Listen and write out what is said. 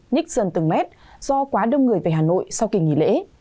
nhích dần từng mét do quá đông người về hà nội sau kỳ nghỉ lễ